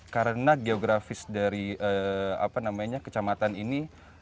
karena geografis dari kecamatan ini